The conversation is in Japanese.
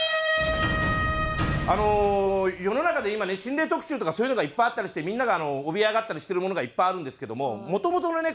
あの世の中で今ね心霊特集とかそういうのがいっぱいあったりしてみんなが怯え上がったりしてるものがいっぱいあるんですけどももともとのね